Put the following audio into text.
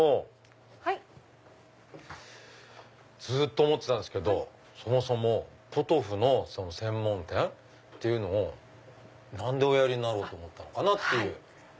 ずっと思ってたんですけどそもそもポトフの専門店を何でおやりになろうと思ったのかなっていう。